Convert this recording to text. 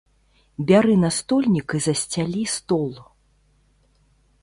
Бяры настольнік і засцялі стол!